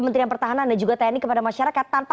menteri pertahanan dan juga tanya ini kepada masyarakat tanpa